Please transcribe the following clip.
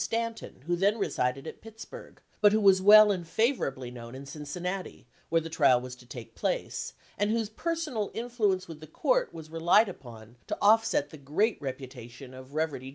Stanton, who then resided at Pittsburg, but who was well and favorably known in Cincinnati, where the trial was to take place, and whose per sonal influence with the court was relied upon to offset the great reputation of Reverdy Johnson.